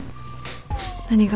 何が？